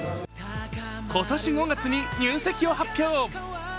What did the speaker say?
今年５月に入籍を発表。